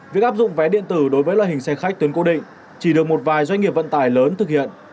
việc áp dụng vé điện tử đối với loại hình xe khách tuyến cố định chỉ được một vài doanh nghiệp vận tải lớn thực hiện